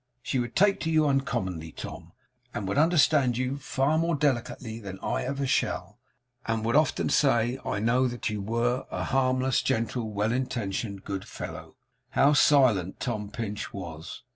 She would take to you uncommonly, Tom; and would understand you far more delicately than I ever shall; and would often say, I know, that you were a harmless, gentle, well intentioned, good fellow.' How silent Tom Pinch was!